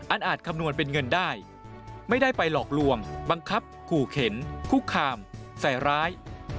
อาจคำนวณเป็นเงินได้ไม่ได้ไปหลอกลวงบังคับขู่เข็นคุกคามใส่ร้าย